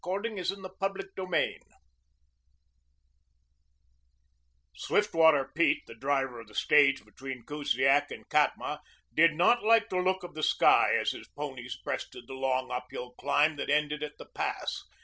CHAPTER XXV IN THE BLIZZARD "Swiftwater" Pete, the driver of the stage between Kusiak and Katma, did not like the look of the sky as his ponies breasted the long uphill climb that ended at the pass.